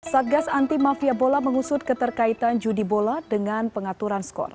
satgas anti mafia bola mengusut keterkaitan judi bola dengan pengaturan skor